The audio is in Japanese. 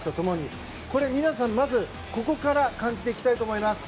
皆さんまずここから感じていきたいと思います。